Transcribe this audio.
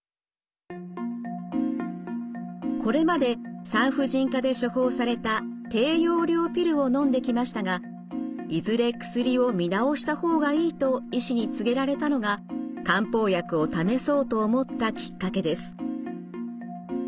これまで産婦人科で処方された低用量ピルをのんできましたがいずれ薬を見直した方がいいと医師に告げられたのが漢方薬を試そうと思ったきっかけです。